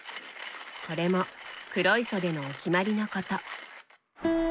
これも黒磯でのお決まりのこと。